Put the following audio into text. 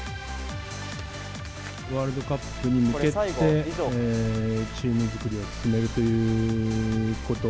ワールドカップに向けて、チーム作りを進めるということ。